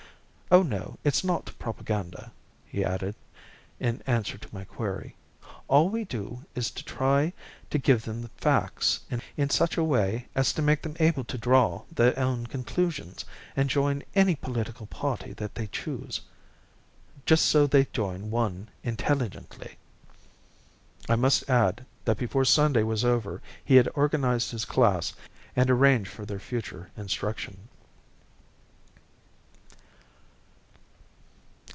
Oh, no, it's not propaganda," he added, in answer to my query; "all we do is to try to give them facts in such a way as to make them able to draw their own conclusions and join any political party they choose just so they join one intelligently." I must add that before Sunday was over he had organized his class and arranged for their future instruction.